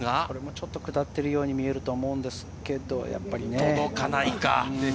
ちょっと下っているように見えると思うんですけれど。